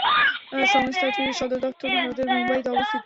সংস্থাটির সদরদপ্তর ভারতের মুম্বাইতে অবস্থিত।